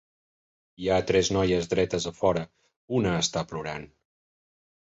Hi ha tres noies dretes a fora, una està plorant.